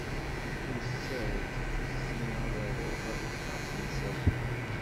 Tusa-d tikti ad d-aruɣ ɣef temsalt-a.